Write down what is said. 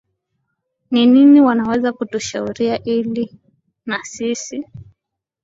ni nini wanaweza kutushauria ili na sisi